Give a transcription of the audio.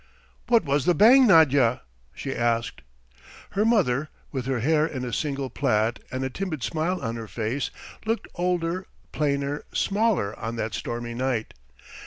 "What was the bang, Nadya?" she asked. Her mother, with her hair in a single plait and a timid smile on her face, looked older, plainer, smaller on that stormy night.